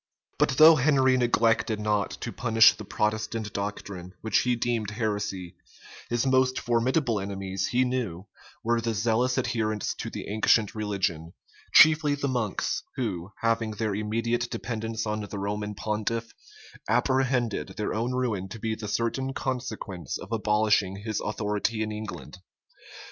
But though Henry neglected not to punish the Protestant doctrine, which he deemed heresy, his most formidable enemies, he knew, were the zealous adherents to the ancient religion, chiefly the monks, who, having their immediate dependence on the Roman pontiff, apprehended their own ruin to be the certain consequence of abolishing his authority in England.